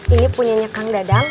ini punyanya kang dadang